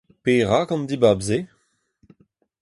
Perak an dibab-se ?